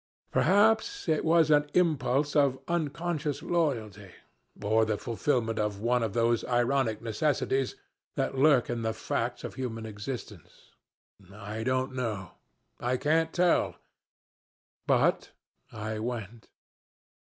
Perhaps it was an impulse of unconscious loyalty, or the fulfillment of one of these ironic necessities that lurk in the facts of human existence. I don't know. I can't tell. But I went.